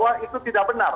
pesawat itu tidak benar